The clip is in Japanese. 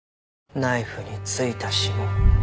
ナイフに付いた指紋。